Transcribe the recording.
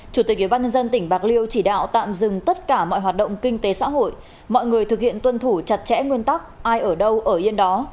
chủ tịch ubnd tỉnh bạc liêu chỉ đạo tạm dừng tất cả mọi hoạt động kinh tế xã hội mọi người thực hiện tuân thủ chặt chẽ nguyên tắc ai ở đâu ở yên đó